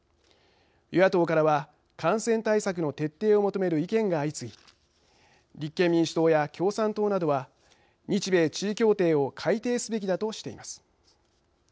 与野党からは、感染対策の徹底を求める意見が相次ぎ立憲民主党や共産党などは日米地位協定を改定すべきだとしています。